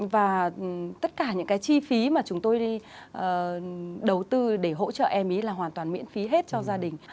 và tất cả những cái chi phí mà chúng tôi đi đầu tư để hỗ trợ em ấy là hoàn toàn miễn phí hết cho gia đình